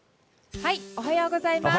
おはようございます。